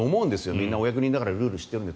みんなお役人だからルールを知っているので。